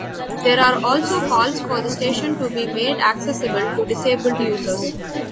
There are also calls for the station to be made accessible to disabled users.